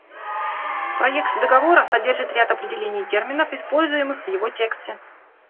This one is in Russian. Проект договора содержит ряд определений терминов, используемых в его тексте.